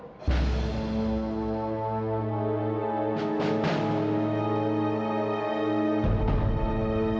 ini dulu mama kabarnya talk expressions believe